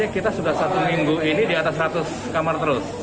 kita sudah satu minggu ini di atas seratus kamar terus